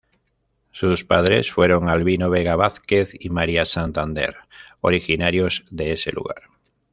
Sus padres fueron Albino Vega Vázquez y María Santander, originarios de ese lugar.